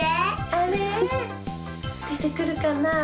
あれ？でてくるかな？